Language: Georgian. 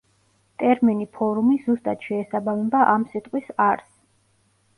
ტერმინი „ფორუმი“ ზუსტად შეესაბამება ამ სიტყვის არსს.